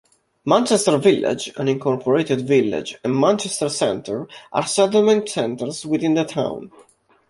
Manchester Village, an incorporated village, and Manchester Center are settlement centers within the town.